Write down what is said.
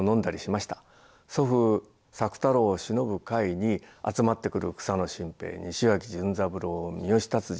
祖父朔太郎をしのぶ会に集まってくる草野心平西脇順三郎三好達治